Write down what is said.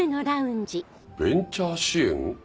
ベンチャー支援。